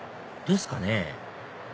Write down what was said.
ですかね？